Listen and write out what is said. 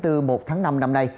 một tháng năm năm nay